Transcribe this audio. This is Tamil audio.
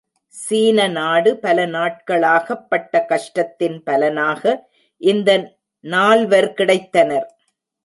சீன நாடு பல நாட்களாகப்பட்ட கஷ்டத்தின் பலனாக இந்த நால்வர் கிடைத்தனர்.